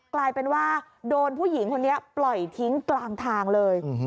กลายเป็นว่าโดนผู้หญิงคนนี้ปล่อยทิ้งกลางทางเลย